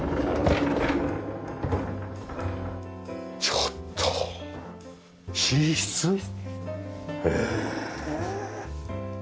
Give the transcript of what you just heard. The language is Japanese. ちょっと寝室？ええ！？